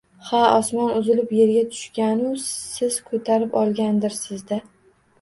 -Ha, osmon uzilib, yerga tushganu, siz ko’tarib qolgandirsiz-da?!